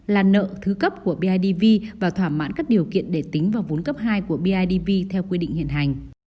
là nợ thứ cấp của bidv và thỏa mãn các điều kiện để tính vào vốn cấp hai của bidv theo quy định hiện hành